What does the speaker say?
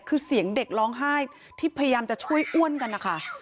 คือเสียงเด็กร้องไห้ที่พยายามจะช่วยอ้วนกันนะคะ